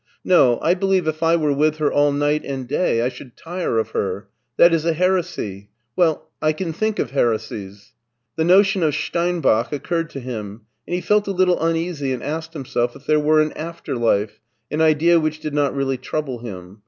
" No, I believe if I were with her all night and day I should tire of her. That is a heresy. Well, I can think of heresies." The notion of Stein bach occurred to him, and he felt a little uneasy and asked himself if there were an after life, an idea which did not really trouble him.